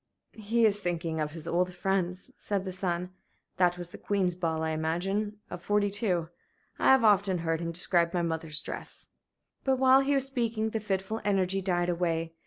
"He is thinking of his old friends," said the son. "That was the Queen's ball, I imagine, of '42. I have often heard him describe my mother's dress." But while he was speaking the fitful energy died away.